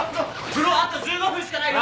風呂あと１５分しかないよ！